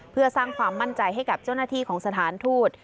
เพื่อสร้างความมั่นใจให้กับเจ้าหน้าที่ของสถานทูต